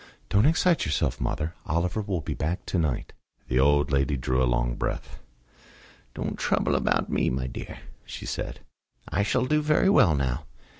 "Don't excite yourself, mother. Oliver will be back to night." The old lady drew a long breath. "Don't trouble about me, my dear," she said. "I shall do very well now.